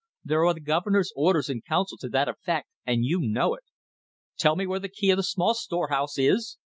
There are the Governor's Orders in Council to that effect, and you know it. Tell me where the key of the small storehouse is?